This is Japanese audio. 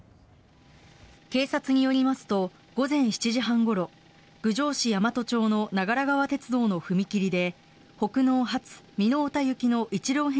警察によりますと午前７時半ごろ郡上市大和町の長良川鉄道の踏切で北濃発